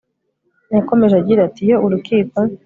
yakomeje agira ati iyo urukiko